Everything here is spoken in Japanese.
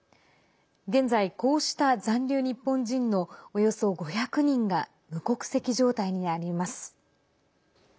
現在、こうした残留日本人のおよそ５００人が無国籍状態にあります。